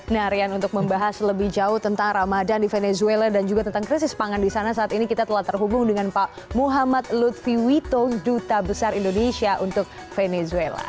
nah rian untuk membahas lebih jauh tentang ramadan di venezuela dan juga tentang krisis pangan di sana saat ini kita telah terhubung dengan pak muhammad lutfi wito duta besar indonesia untuk venezuela